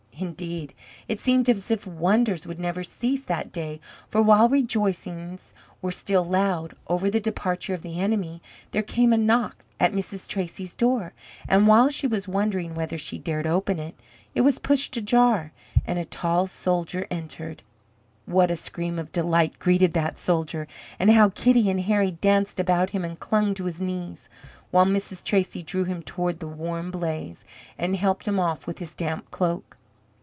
Indeed, it seemed as if wonders would never cease that day, for while rejoicings were still loud, over the departure of the enemy, there came a knock at Mrs. Tracy's door, and while she was wondering whether she dared open it, it was pushed ajar, and a tall soldier entered. What a scream of delight greeted that soldier, and how Kitty and Harry danced about him and clung to his knees, while Mrs. Tracy drew him toward the warm blaze, and helped him off with his damp cloak!